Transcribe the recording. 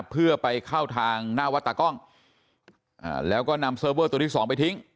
เพื่อไปเข้าทางหน้าวัดตากล้องแล้วก็นำเซิร์ฟเวอร์ตัวที่สองไปทิ้ง